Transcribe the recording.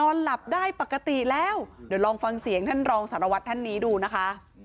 หลับได้ปกติแล้วเดี๋ยวลองฟังเสียงท่านรองสารวัตรท่านนี้ดูนะคะ